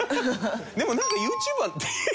でもなんかＹｏｕＴｕｂｅｒって。